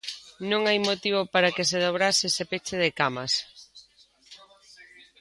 Non hai motivo para que se dobrase ese peche de camas.